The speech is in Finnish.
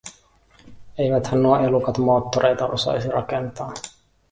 Eiväthän nuo elukat moottoreita osaisi rakentaa.